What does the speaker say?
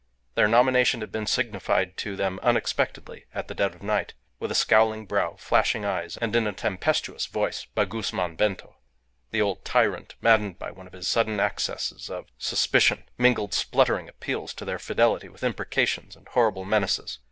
Their nomination had been signified to them unexpectedly at the dead of night, with scowling brow, flashing eyes, and in a tempestuous voice, by Guzman Bento. The old tyrant, maddened by one of his sudden accesses of suspicion, mingled spluttering appeals to their fidelity with imprecations and horrible menaces.